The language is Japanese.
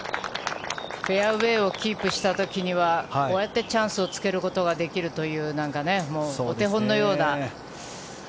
フェアウェーをキープした時にはこうやってチャンスにつけることができるというお手本のような。